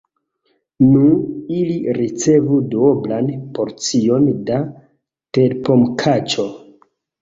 Nu, ili ricevu duoblan porcion da terpomkaĉo.